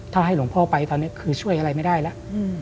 ถ้าให้หลวงพ่อไปตอนนี้คือช่วยอะไรไม่ได้แล้ว